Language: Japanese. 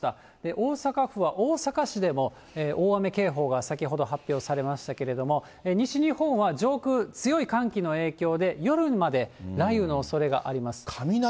大阪府は、大阪市でも大雨警報が先ほど発表されましたけれども、西日本は上空、強い寒気の影響で夜まで雷雨のおそれがあります。